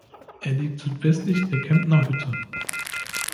Er liegt südwestlich der Kemptner Hütte.